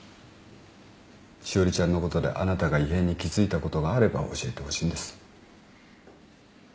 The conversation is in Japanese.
詩織ちゃんのことであなたが異変に気付いたことがあれば教えてほしいんです。